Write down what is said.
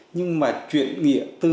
nhưng mà chuyển nghĩa từ